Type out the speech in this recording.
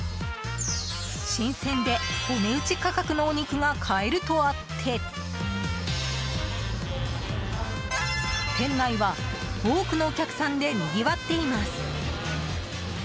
新鮮で、お値打ち価格のお肉が買えるとあって店内は多くのお客さんでにぎわっています。